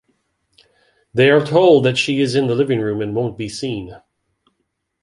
They are told that she is in the living room and won’t be seen.